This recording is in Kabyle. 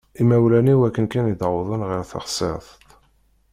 Imawlan-iw akken kan i d-wwḍen ɣer teɣsert.